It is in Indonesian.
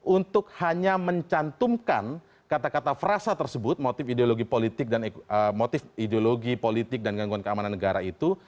untuk hanya mencantumkan kata kata frasa tersebut motif ideologi politik dan gangguan keamanan negara itu